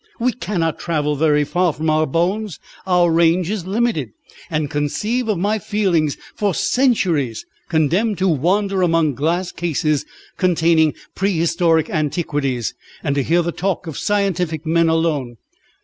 We cannot travel very far from our bones our range is limited. And conceive of my feelings for centuries condemned to wander among glass cases containing prehistoric antiquities, and to hear the talk of scientific men alone.